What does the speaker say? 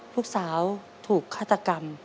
ลูกสาวถูกฆาตกรรม